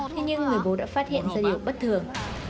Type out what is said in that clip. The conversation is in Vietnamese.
thế nhưng người bố đã phát hiện ra hiệu bất thường